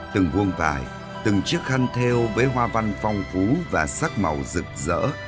từng vuông vải từng chiếc khăn theo với hoa văn phong phú và sắc màu rực rỡ